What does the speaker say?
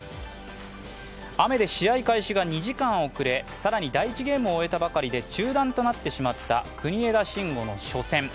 雨で試合開始が２時間遅れ、更に第１ゲームを終えたばかりで中断となってしまった国枝慎吾の初戦。